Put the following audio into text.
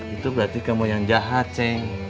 itu berarti kamu yang jahat